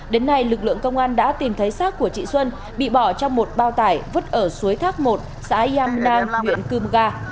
đến nay lực lượng công an đã tìm thấy xác của chị xuân bị bỏ trong một bao tải vứt ở suối thác một xã yam nang huyện cư ca